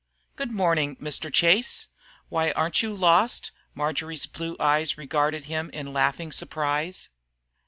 "Good morning, Mr. Chase. Why, aren't you lost?" Marjory's blue eyes regarded him in laughing surprise.